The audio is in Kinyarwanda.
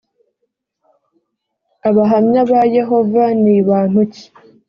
abahamya ba yehova ni bantu ki ‽